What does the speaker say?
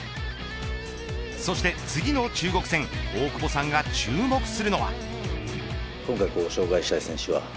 そして次の中国戦大久保さんが注目するのは。